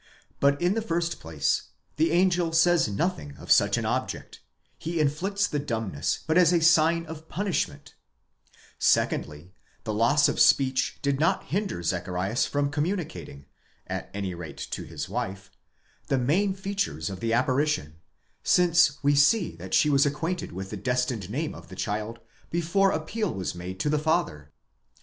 ® But, in the first place, the angel says nothing of such an object, he inflicts the dumbness but as a sign and punishment; secondly, the loss of speech did not hinder Zacharias from communicating, at any rate to his wife, the main features of the apparition, since we see that she was acquainted with the destined name of the child before appeal was made to the father.